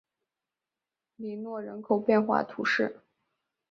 里诺人口变化图示